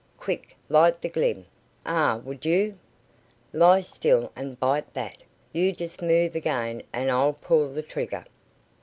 Quick, light the glim! Ah, would you? Lie still and bite that. You just move again and I'll pull the trigger."